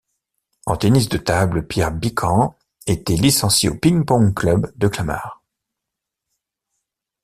En tennis de table, Pierre Bican était licencié au Ping Pong Club de Clamart.